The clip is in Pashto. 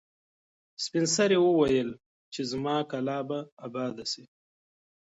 سپین سرې وویل چې زما کلا به اباده شي.